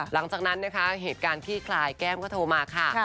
หลังจากนั้นนะคะเหตุการณ์ขี้คลายแก้มก็โทรมาค่ะ